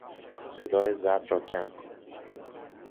صدای ضبط را کم کن.